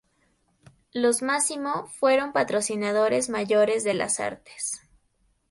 Los Massimo fueron patrocinadores mayores de las artes.